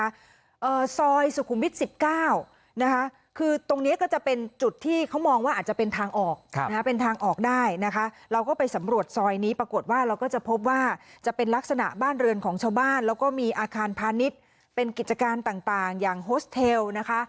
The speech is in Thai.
อ่าซอยสุขุมวิทย์สิบเก้านะคะคือตรงเนี้ยก็จะเป็นจุดที่เขามองว่าอาจจะเป็นทางออกนะฮะเป็นทางออกได้นะคะเราก็ไปสำรวจซอยนี้ปรากฏว่าเราก็จะพบว่าจะเป็นลักษณะบ้านเรือนของชาวบ้านแล้วก็มีอาคารพาณิชย์เป็นกิจการต่างต่างอย่างโฮสเทลนะคะ